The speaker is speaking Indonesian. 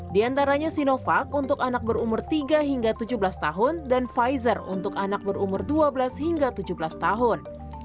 di antaranya sinovac untuk anak berumur tiga hingga tujuh belas tahun dan pfizer untuk anak berumur dua belas hingga tujuh belas tahun